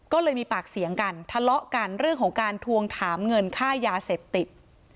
ก็เลยมีปากเสียงกันทะเลาะกันเรื่องของการทวงถามเงินค่ายาเสพติด